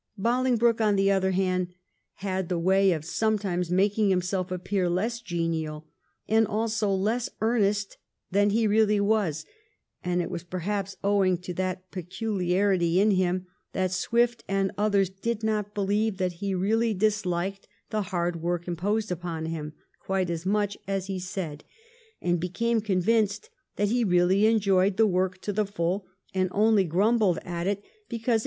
Boling broke, on the other hand, had the way of sometimes making himself appear less genial and also less earnest than he really was, and it was perhaps owing to that peculiarity in him that Swift and others did not believe that he really disliked the hard work imposed upon him quite as much as he said^ and became convinced that he really enjoyed the work to the full, and only grumbled at it because it 1712 13 BOLINGBROKE— ALCIBIADES.